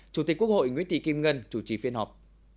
chủ tịch quốc hội nguyễn thị kim ngân chủ trì phiên họp